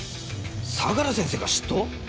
相良先生が執刀！？